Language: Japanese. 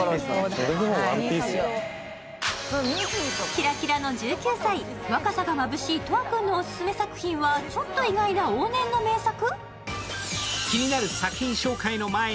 キラキラの１９歳、若さがまぶしい斗亜君のオススメ作品は、ちょっと意外な往年の名作？